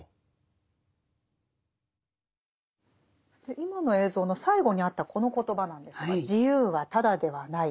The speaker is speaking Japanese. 今の映像の最後にあったこの言葉なんですが「自由はただではない」。